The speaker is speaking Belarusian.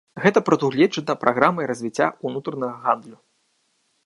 Гэта прадугледжана праграмай развіцця ўнутранага гандлю.